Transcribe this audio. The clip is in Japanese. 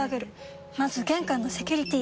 まず玄関のセキュリティ！